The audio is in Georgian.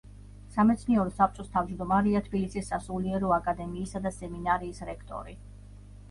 სამეცნიერო საბჭოს თავმჯდომარეა თბილისის სასულიერო აკადემიისა და სემინარიის რექტორი.